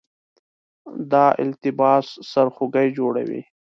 دا التباس سرخوږی جوړوي.